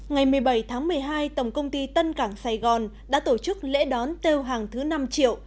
ngày một mươi bảy tháng một mươi hai tổng công ty tân cảng sài gòn đã tổ chức lễ đón tiêu hàng thứ năm triệu